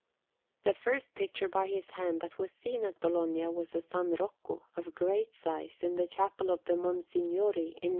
The first picture by his hand that was seen at Bologna was a S. Rocco of great size in the Chapel of the Monsignori in S.